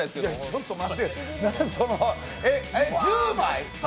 ちょっと待って、１０枚？